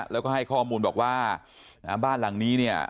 แล้วก็ให้ข้อมูลบอกว่าบ้านหลังนี้เนี่ย